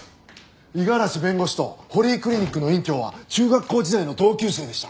五十嵐弁護士と堀井クリニックの院長は中学校時代の同級生でした。